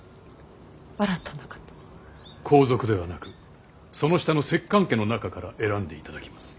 皇族ではなくその下の摂関家の中から選んでいただきます。